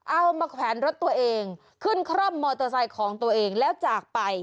เอามาแขวนรถตัวเองขึ้นคร่อมมอเตอร์ไซค์ของตัวเองแล้วจากไป